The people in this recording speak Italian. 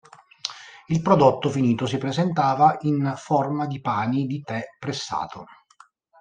Il prodotto finito si presentava in forma di pani di tè pressato.